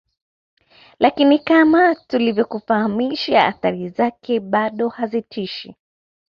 Lakini kama tulivyokufahamisha athari zake bado hazitishi